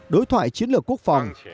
đối thoại chiến lược quốc phòng